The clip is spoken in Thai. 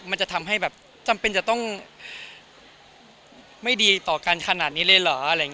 มันจะทำให้แบบจำเป็นจะต้องไม่ดีต่อกันขนาดนี้เลยเหรอ